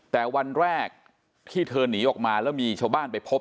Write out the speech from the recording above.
แต่วันแรกที่เธอหนีออกมาแล้วมีชาวบ้านไปพบ